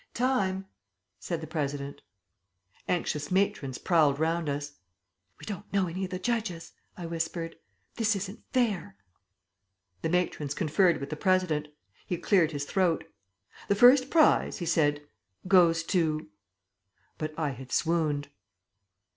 "Time!" said the President. Anxious matrons prowled round us. "We don't know any of the judges," I whispered. "This isn't fair." The matrons conferred with the President. He cleared his throat. "The first prize," he said, "goes to " But I had swooned.